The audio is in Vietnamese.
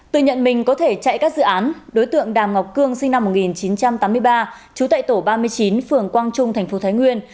tư nhận mình có thể chạy các dự án đối tượng đàm ngọc cương sinh năm một nghìn chín trăm tám mươi ba chú tại tổ ba mươi chín phường quang trung tp thái nguyên